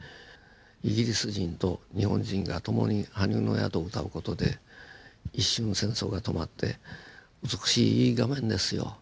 イギリス人と日本人が共に「埴生の宿」を歌う事で一瞬戦争が止まって美しいいい画面ですよ。